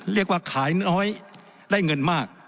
เรียกว่าขายน้อยได้เงินมาก